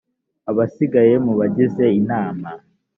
abasigaye mu bagize inama